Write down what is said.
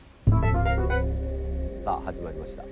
「さあ始まりました。